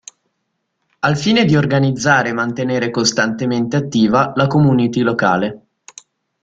Al fine di organizzare e mantenere costantemente attiva la community locale.